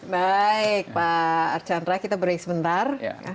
baik pak archandra kita break sebentar